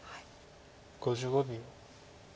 ５５秒。